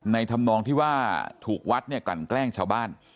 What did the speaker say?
ในทำนองที่ว่าถูกวัดกันแกล้งชาวบ้าน